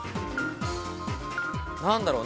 何だろう？